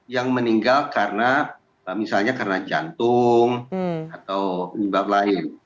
yang meninggal karena misalnya karena jantung atau penyebab lain